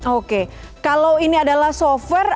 oke kalau ini adalah software